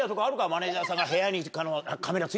マネジャーさんが部屋に。